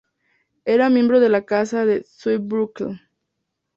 Era miembro de la Casa de Zweibrücken.